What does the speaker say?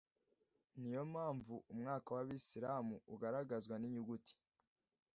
ni yo mpamvu umwaka w’abisilamu ugaragazwa n’inyuguti